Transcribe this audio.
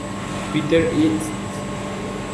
Peter y St.